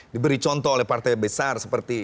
diberi contoh oleh partai besar seperti